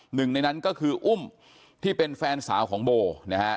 หนึ่งในนั้นก็คืออุ้มที่เป็นแฟนสาวของโบนะฮะ